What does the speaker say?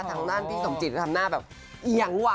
ทางด้านพี่สมจิตก็ทำหน้าแบบเอียงว่ะ